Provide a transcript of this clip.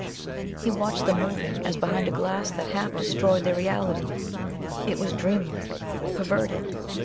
He watched them moving as behind a glass that half destroyed their reality; it was dreamlike; perverted.